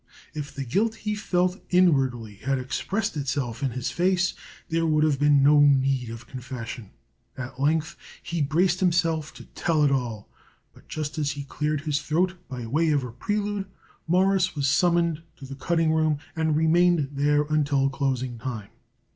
If the guilt he felt inwardly had expressed itself in his face there would have been no need of confession. At length he braced himself to tell it all; but just as he cleared his throat by way of prelude Morris was summoned to the cutting room and remained there until closing time.